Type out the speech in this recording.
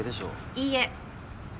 いいえ！